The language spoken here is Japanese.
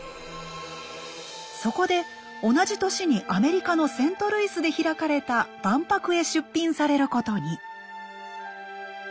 そこで同じ年にアメリカのセントルイスで開かれた万博へ出品されることに。